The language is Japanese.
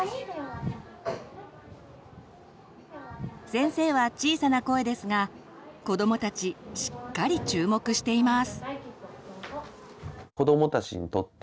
先生は小さな声ですが子どもたちしっかり注目しています。